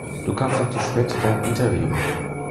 Du kommst noch zu spät zu deinem Interview.